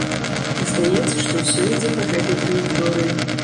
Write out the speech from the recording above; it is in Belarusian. І здаецца, што ўсё ідзе па гэтай траекторыі.